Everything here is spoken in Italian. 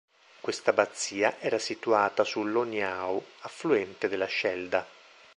Quest'abbazia era situata sull'Hogneau, affluente della Schelda.